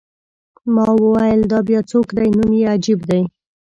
ما وویل: دا بیا څوک دی؟ نوم یې عجیب دی.